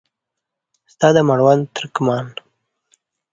ستا د مړوند ترکمان